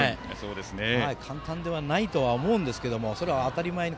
簡単ではないとは思うんですがそれを当たり前に。